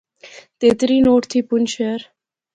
تیتری نوٹ تھی پونچھ شہر